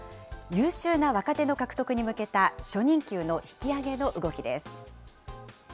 優秀な若手の獲得に向けた初任給の引き上げの動きです。